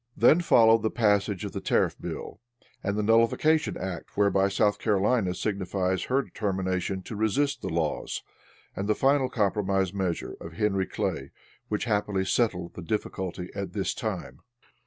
Then followed the passage of the tariff bill and the nullification act, whereby South Carolina signified her determination to resist the laws; and the final compromise measure of Henry Clay which happily settled the difficulty at this time.